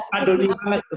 pak doni banget itu ya